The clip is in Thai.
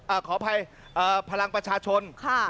อ่ะขออภัยพลังประชาชน